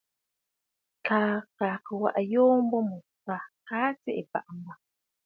Kaa à kɨ̀ waʼa ayoo a mbo mə̀ fâ, kaa tsiʼì àbàʼa mbàŋ!